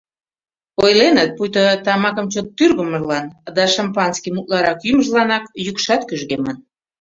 Ойленыт, пуйто тамакым чот тӱргымылан да шампанскийым утларак йӱмыжланак йӱкшат кӱжгемын.